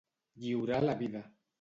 Lliurar la vida.